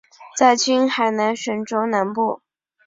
在今海南省中南部。